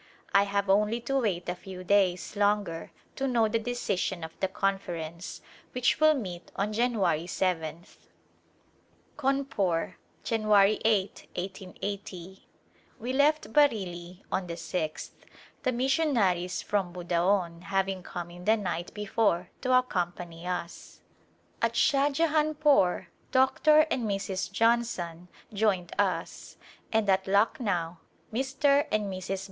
I have only to wait a few days longer to know the decision of the Conference, which will meet on January 7th. Cawnpore^ Jan. <?, i8So» We left Bareilly on the sixth, the missionaries from Budaon having come in the night before to accompany us. At Shahjahanpore Dr. and Mrs. Johnson joined us and at Lucknow Mr. and Airs.